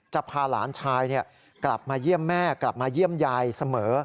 พาหลานชายกลับมาเยี่ยมแม่กลับมาเยี่ยมยายเสมอ